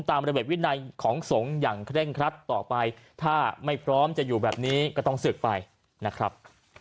ตามระเบียบวินัยของสงฆ์อย่างเคร่งครัดต่อไปถ้าไม่พร้อมจะอยู่แบบนี้ก็ต้องศึกไปนะครับ